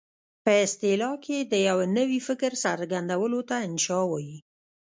په اصطلاح کې د یوه نوي فکر څرګندولو ته انشأ وايي.